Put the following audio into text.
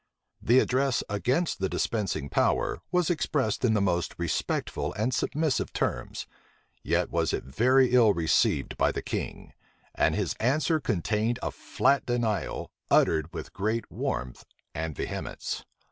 The address against the dispensing power was expressed in the most respectful and submissive terms; yet was it very ill received by the king; and his answer contained a flat denial, uttered with great warmth and vehemence.